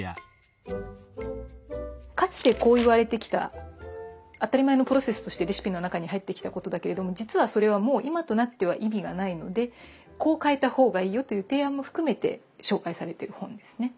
かつてこう言われてきた当たり前のプロセスとしてレシピの中に入ってきたことだけれども実はそれはもう今となっては意味がないのでこう変えた方がいいよという提案も含めて紹介されてる本ですね。